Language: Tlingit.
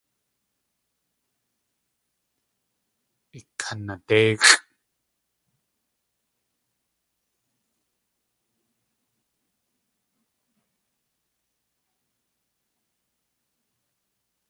Ikanadéixʼ!